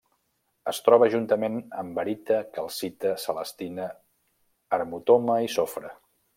Es troba juntament amb barita, calcita, celestina, harmotoma i sofre.